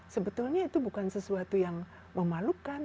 sebetulnya itu bukan sesuatu yang memalukan